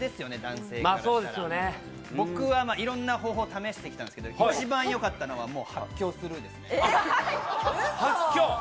僕はいろんな方法を試してきたんですけれど、一番よかったのは発狂するです。